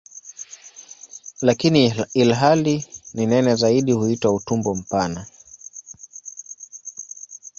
Lakini ilhali ni nene zaidi huitwa "utumbo mpana".